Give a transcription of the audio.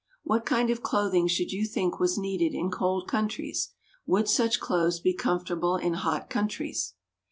What kind of clothing should you think was needed in cold countries? Would such clothes be comfortable in hot countries?